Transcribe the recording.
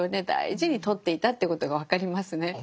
大事に取っていたということが分かりますね。